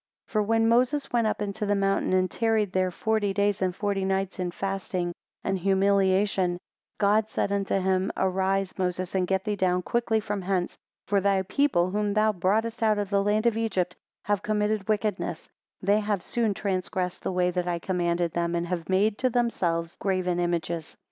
11 For when Moses went up into the mount, and tarried there forty days and forty nights in fasting and humiliation; God said unto him, Arise, Moses, and get thee down quickly from hence, for thy people whom thou broughtest out of the land of Egypt, have committed wickedness: they have soon transgressed the way that I commanded them, and have made to themselves graven images.